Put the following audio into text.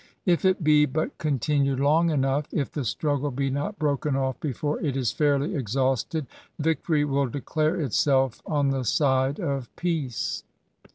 If it be but continued long enough^ — if the struggle be not broken off before it is fairly exhausted^ — victory will declare itself on the side of peace.